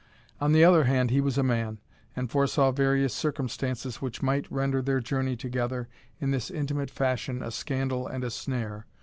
On the other hand, he was a man, and foresaw various circumstances which might render their journey together in this intimate fashion a scandal and a snare.